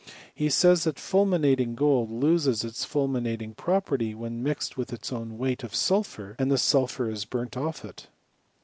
He says, that fulminating gold loses its fulminating property when mixed with its own weight of sulphur, and the sulphur is burnt oflf it.